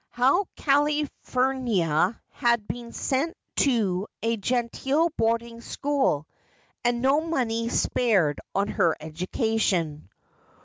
How Calphurnia had been sent to a genteel boarding school, and no money spared on her education.